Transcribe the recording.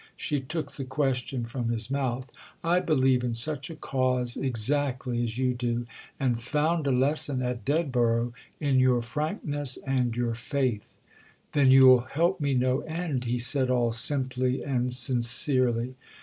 —she took the question from his mouth. "I believe in such a cause exactly as you do—and found a lesson, at Dedborough, in your frankness and your faith." "Then you'll help me no end," he said all simply and sincerely.